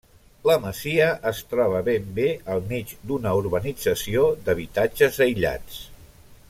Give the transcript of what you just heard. La masia es troba ben bé al mig d'una urbanització d'habitatges aïllats.